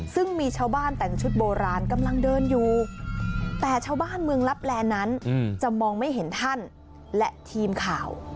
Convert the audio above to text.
ซึ่งมีชาวบ้านแต่งชุดโบราณกำลังเดินอยู่แต่ชาวบ้านเมืองลับแลนั้นจะมองไม่เห็นท่านและทีมข่าว